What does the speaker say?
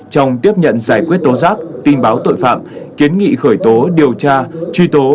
trong tiếp nhận giải quyết tố giác tin báo tội phạm kiến nghị khởi tố điều tra truy tố